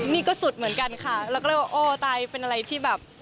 นี่ก็สุดเหมือนกันค่ะเราก็เลยว่าโอ้ตายเป็นอะไรที่แบบ